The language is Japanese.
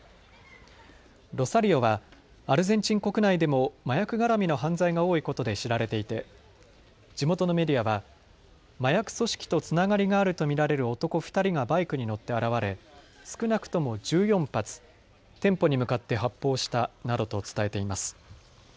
ロサリオはアルゼンチン国内でも麻薬がらみの犯罪が多いことで知られていて地元のメディアは麻薬組織とつながりがあると見られる男２人がバイクに乗って現れ、少なくとも１４発、店舗に向かって発砲したなどと伝えています。